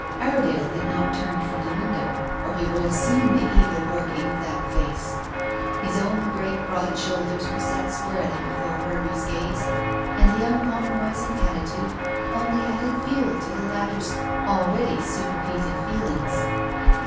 Iredale had not turned from the window, or he would have seen the evil working of that face. His own great, broad shoulders were set squarely before Hervey's gaze, and the uncompromising attitude only added fuel to the latter's already superheated feelings.